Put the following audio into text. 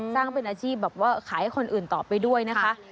สร้างเป็นอาชีพแบบว่าขายให้คนอื่นต่อไปด้วยนะคะ